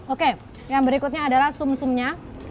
oke yang berikutnya adalah sum sumnya